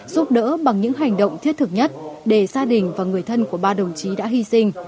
giúp đỡ bằng những hành động thiết thực nhất để gia đình và người thân của ba đồng chí đã hy sinh